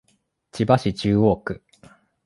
千葉市中央区